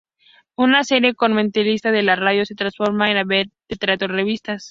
Una seria comentarista de la radio se transforma en vedette del teatro de revistas.